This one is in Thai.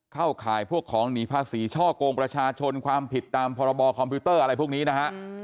ข่ายพวกของหนีภาษีช่อกงประชาชนความผิดตามพรบคอมพิวเตอร์อะไรพวกนี้นะฮะ